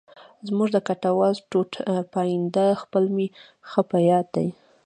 زموږ د کټواز ټوټ پاینده خېل مې ښه په یاد دی.